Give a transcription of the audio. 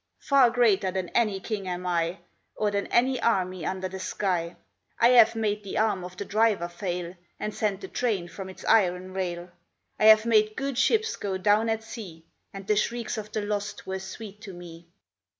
Far greater than any king am I, Or than any army under the sky. I have made the arm of the driver fail, And sent the train from its iron rail. I have made good ships go down at sea, And the shrieks of the lost were sweet to me.